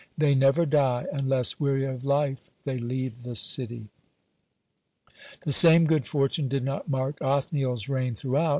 They never die, unless, weary of life, they leave the city. (28) The same good fortune did not mark Othniel's reign throughout.